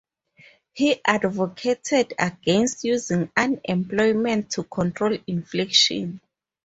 He advocated against using unemployment to control inflation.